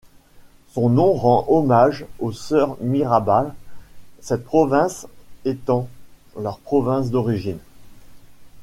Son nom rend hommage aux Soeurs Mirabal, cette province étant leur province d'origine.